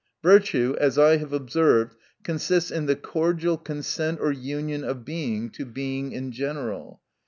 Virtue, as I have observed, consists in the cordial consent or union of Being to Being in general.